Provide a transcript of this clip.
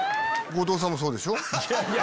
後藤さんもそうでしょ？